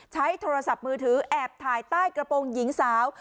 ใช้โทรศัพท์มือถือแอบถ่ายใต้กระโปรงหญิงสาว